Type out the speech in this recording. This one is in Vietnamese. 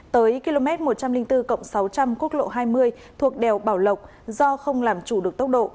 tới km một trăm linh bốn sáu trăm linh quốc lộ hai mươi thuộc đèo bảo lộc do không làm chủ được tốc độ